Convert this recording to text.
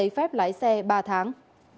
về ba tháng